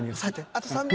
あと３秒。